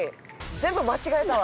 全部間違えたわ」